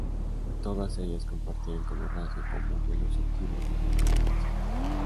Todas ellas compartían como rasgo común el uso activo de la imaginación.